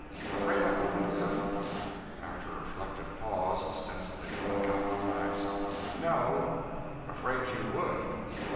"Afraid I wouldn't live?" After a reflective pause ostensibly to think out the facts "No afraid you would."